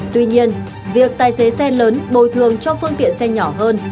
tuy nhiên việc tài xế xe lớn bồi thường cho phương tiện xe nhỏ hơn